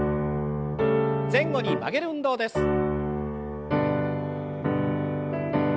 前後に曲げる運動です。